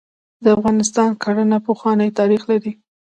د افغانستان کرهڼه پخوانی تاریخ لري .